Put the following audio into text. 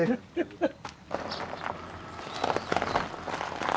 ハハハッ。